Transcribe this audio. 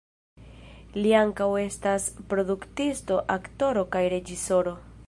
Li ankaŭ estas produktisto, aktoro, kaj reĝisoro.